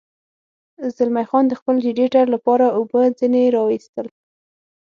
زلمی خان د خپل رېډیټر لپاره اوبه ځنې را ویستل.